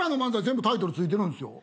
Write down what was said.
全部タイトル付いてるんですよ。